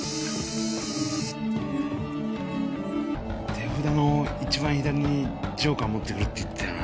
手札の一番左にジョーカーを持ってくるって言ってたよな。